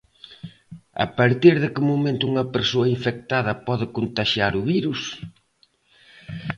A partir de que momento unha persoa infectada pode contaxiar o virus?